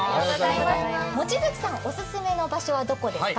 望月さんお勧めの場所はどこですか？